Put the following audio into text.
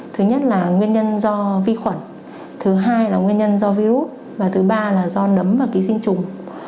thứ nhất là nguyên nhân do vi khuẩn thứ hai là nguyên nhân do virus và thứ ba là do nấm vào ký sinh trùng